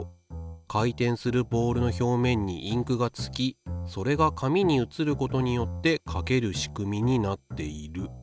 回転するボールの表面にインクがつきそれが紙に移ることによって書ける仕組みになっている」。